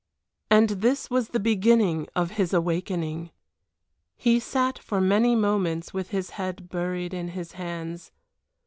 And this was the beginning of his awakening. He sat for many moments with his head buried in his hands.